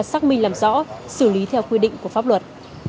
xác minh làm rõ xử lý theo quy định của pháp luật